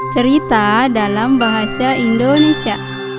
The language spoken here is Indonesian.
cerita dalam bahasa indonesia